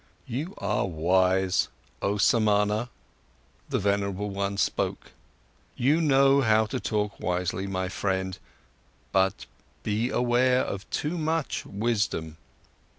"You are wise, oh Samana," the venerable one spoke. "You know how to talk wisely, my friend. Be aware of too much wisdom!"